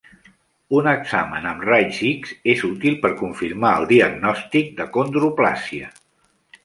Una examen amb raigs X és útil per confirmar el diagnòstic d'acondroplàsia.